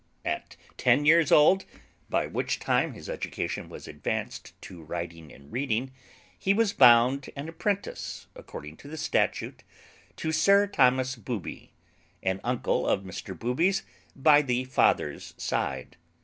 At ten years old (by which time his education was advanced to writing and reading) he was bound an apprentice, according to the statute, to Sir Thomas Booby, an uncle of Mr Booby's by the father's side.